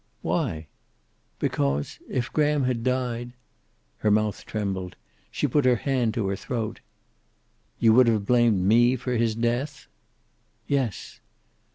"Why?" "Because if Graham had died " Her mouth trembled. She put her hand to her throat. "You would have blamed me for his death?" "Yes."